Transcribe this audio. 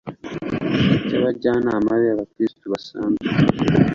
cy Abajyanama b Abakristo basanzwe